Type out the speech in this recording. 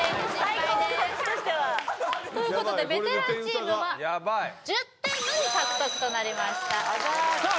最高こっちとしてはということでベテランチームはヤバい１０点のみ獲得となりましたさあ